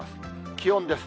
気温です。